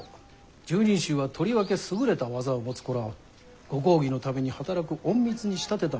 拾人衆はとりわけ優れた技を持つ子らをご公儀のために働く隠密に仕立てたもの。